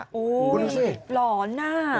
โอ้โฮหล่อนน่ะ